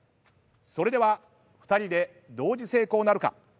それでは２人で同時成功なるか。